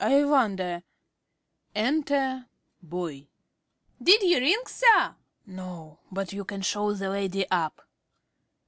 I wonder Enter Boy. ~Boy.~ Did you ring, Sir? ~Smith.~ No. But you can show the lady up.